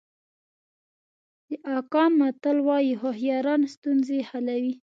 د اکان متل وایي هوښیاران ستونزې حلوي.